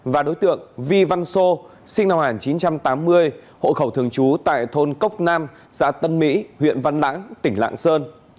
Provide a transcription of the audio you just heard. và đối tượng vi văn sô sinh năm một nghìn chín trăm tám mươi hộ khẩu thường trú tại thôn cốc nam xã tân mỹ huyện văn lãng tỉnh lạng sơn